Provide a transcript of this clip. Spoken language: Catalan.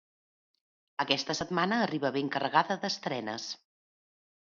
Aquesta setmana arriba ben carregada d’estrenes.